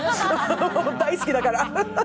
大好きだから。